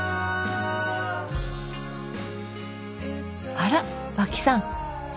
あら和氣さん